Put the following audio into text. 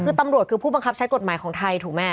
คือตำรวจคือผู้บังคับใช้กฎหมายของไทยถูกไหม